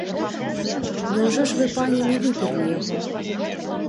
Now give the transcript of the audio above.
Няўжо ж вы, пані, не выперлі яго?